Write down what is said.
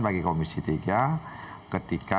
bagi komisi tiga ketika